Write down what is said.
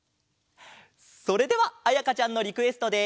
それではあやかちゃんのリクエストで。